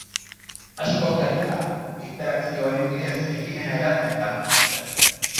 Askok, gainera, interakzioaren bidez, ekimena hedatzen lagundu zuten.